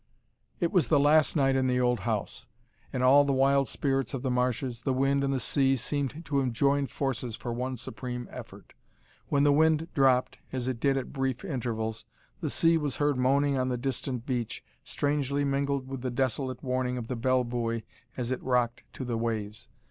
It was the last night in the old house, and all the wild spirits of the marshes, the wind and the sea seemed to have joined forces for one supreme effort. When the wind dropped, as it did at brief intervals, the sea was heard moaning on the distant beach, strangely mingled with the desolate warning of the bell buoy as it rocked to the waves.